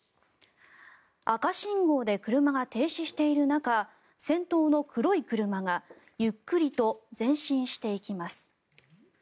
赤信号で車が停止している中先頭の黒い車がゆっくりと前進していきます。